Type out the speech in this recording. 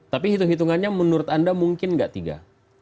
tapi hitung hitungannya menurut anda mungkin nggak tiga